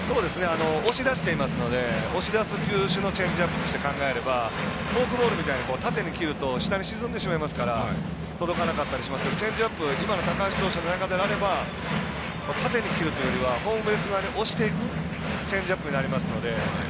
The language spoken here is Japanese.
押し出していますので押し出す球種のチェンジアップと考えればフォークボールみたいに縦に切ると下に沈んでしまいますから届かなかったりしますけどチェンジアップ今の高橋選手の中であれば縦に切るというよりはホームベース側に落ちていくチェンジアップになりますので。